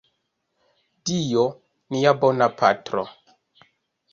Dio, nia bona Patro.